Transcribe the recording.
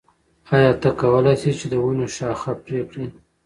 آیا ته کولای شې چې د ونو شاخه بري وکړې؟